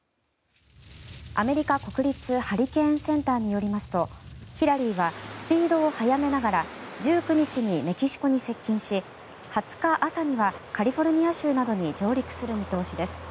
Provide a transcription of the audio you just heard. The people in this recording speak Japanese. アメリカ国立ハリケーンセンターによりますとヒラリーはスピードを速めながら１９日にメキシコに接近し２０日朝にはカリフォルニア州などに上陸する見通しです。